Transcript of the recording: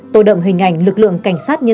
tổ động hình ảnh lực lượng cảnh sát nhân dân